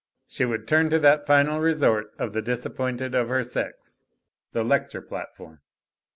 She would turn to that final resort of the disappointed of her sex, the lecture platform.